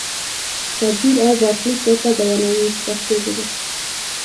تدبیر او برخلیک راته بیانوي په پښتو ژبه.